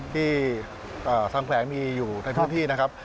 ที่ทางแขวงมีอยู่ในพื้นที่นะครับ